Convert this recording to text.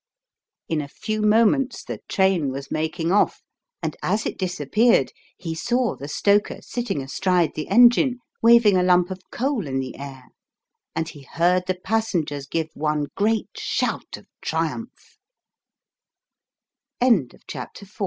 In a few moments the train was making off, and as it dis appeared he saw the stoker sitting astride the engine, waving a lump of coal in the air, and he heard the passengers give one great shout of triumph. CHAPTER V.